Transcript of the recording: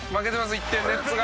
１点ネッツが」